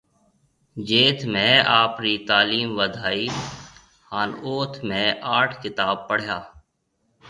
جٿ مهيَ آپري تالِيم وڌائِي هانَ اُٿ مهيَ اَٺ ڪتاب پڙهيَا